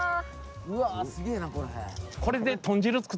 うわすげえなこれ。